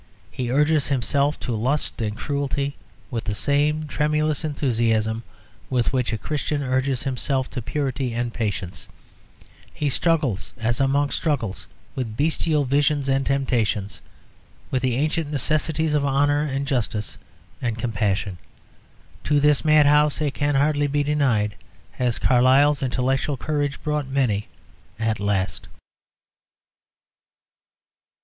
He urges himself to lust and cruelty with the same tremulous enthusiasm with which a Christian urges himself to purity and patience; he struggles as a monk struggles with bestial visions and temptations with the ancient necessities of honour and justice and compassion. To this madhouse, it can hardly be denied, has Carlyle's intellectual courage brought many at last.